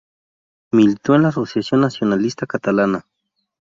Militó en la Associació Nacionalista Catalana.